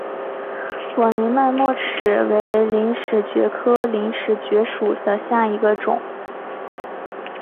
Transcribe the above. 网脉陵齿蕨为陵齿蕨科陵齿蕨属下的一个种。